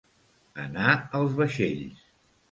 Anar als vaixells.